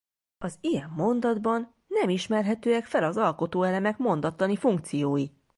Az ilyen mondatban nem ismerhetőek fel az alkotóelemek mondattani funkciói.